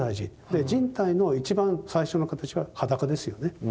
で人体の一番最初の形は裸ですよね。